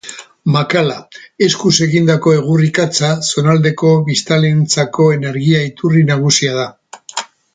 Makala, eskuz egindako egur-ikatza, zonaldeko biztanleentzako energia iturri nagusia da.